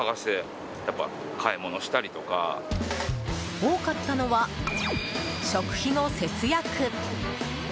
多かったのは食費の節約。